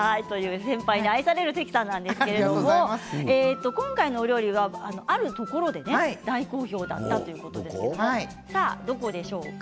先輩に愛される関さんですが今回のお料理はあるところで大好評だったそうですがどこでしょうか。